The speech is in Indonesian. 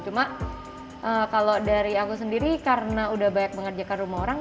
cuma kalau dari aku sendiri karena udah banyak mengerjakan rumah orang